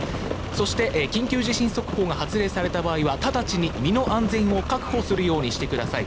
そして、緊急地震速報が発令された場合は直ちに身の安全を確保するようにしてください。